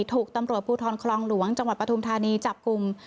ถูกตำรวจภูทรคลองหลวงจังหวัดปฐุมธานีจับกลุ่ม